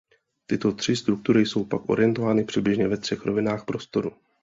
Tyto tři struktury jsou pak orientovány přibližně ve třech rovinách prostoru.